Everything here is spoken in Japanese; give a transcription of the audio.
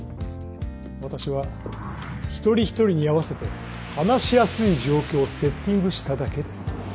私は一人一人に合わせて話しやすい状況をセッティングしただけです。